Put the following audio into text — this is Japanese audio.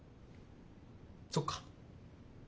そっか。